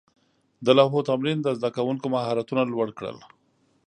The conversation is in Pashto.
د لوحو تمرین د زده کوونکو مهارتونه لوړ کړل.